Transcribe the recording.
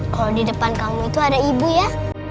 kalau di depan kamu itu ada ibu ya